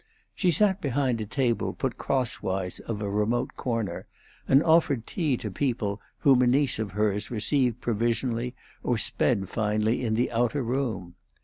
She sat behind a table put crosswise of a remote corner, and offered tea to people whom a niece of hers received provisionally or sped finally in the outer room.